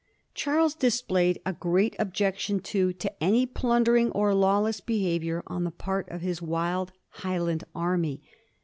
Charles dis played a great objection, too, to any plundering or lawless behavior on the part of his wild Highland army.